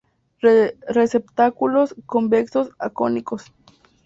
Receptáculos convexos a cónicos.